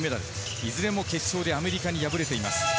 いずれも決勝でアメリカに敗れています。